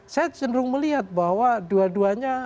saya cenderung melihat bahwa dua duanya